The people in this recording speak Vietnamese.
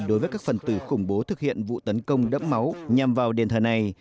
đối với các phần tử khủng bố thực hiện vụ tấn công đẫm máu nhằm vào đền thờ này